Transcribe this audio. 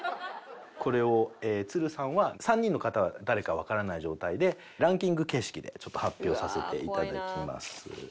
これをつるさんは３人の方は誰かわからない状態でランキング形式でちょっと発表させていただきます。